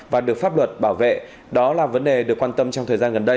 và được pháp luật bảo vệ đó là vấn đề được quan tâm trong thời gian gần đây